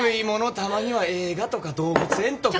たまには映画とか動物園とか。